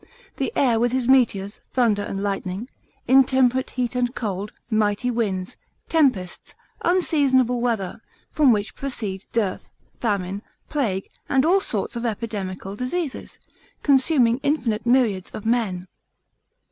The air with his meteors, thunder and lightning, intemperate heat and cold, mighty winds, tempests, unseasonable weather; from which proceed dearth, famine, plague, and all sorts of epidemical diseases, consuming infinite myriads of men.